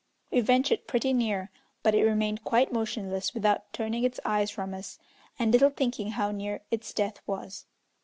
We ventured pretty near, but it remained quite motionless without turning its eyes from us, and little thinking how near its death was.